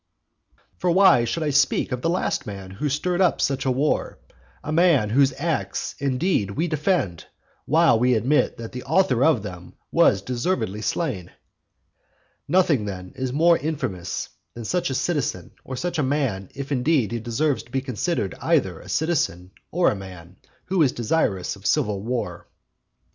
For why should I speak of the last man who stirred up such a war; a man whose acts, indeed, we defend, while we admit that the author of them was deservedly slain? Nothing, then, is more infamous than such a citizen or such a man; if indeed he deserves to be considered either a citizen or a man, who is desirous of civil war.